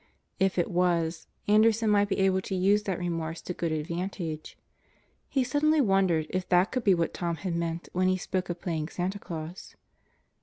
If it was, Anderson might be able to use that remorse to good advantage. He suddenly wondered if that could be what Tom had meant when he spoke of playing Santa Glaus.